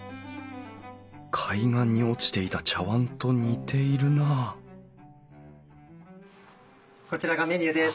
海岸に落ちていた茶わんと似ているなこちらがメニューです。